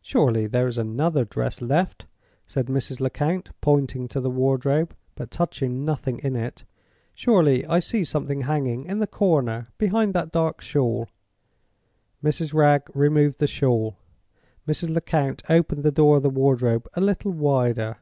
"Surely there is another dress left?" said Mrs. Lecount, pointing to the wardrobe, but touching nothing in it. "Surely I see something hanging in the corner behind that dark shawl?" Mrs. Wragge removed the shawl; Mrs. Lecount opened the door of the wardrobe a little wider.